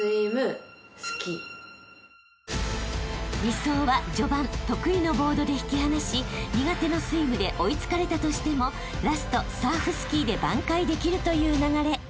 ［理想は序盤得意のボードで引き離し苦手のスイムで追い付かれたとしてもラストサーフスキーで挽回できるという流れ］